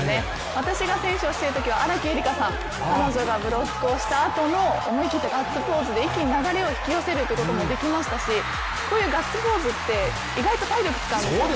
私が選手をしているときは荒木絵里香さん、彼女がブロックをしたあとの思い切ったガッツポーズで一気に流れを引き寄せるということもできましたし、こういうガッツポーズって意外と体力を使うんですよね。